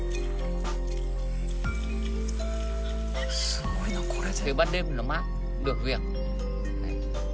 すごいなこれで。